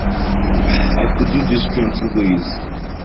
I could do this twenty ways.